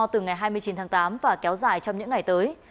từ ngày hai mươi chín tháng tám và kéo dài trong những ngày tới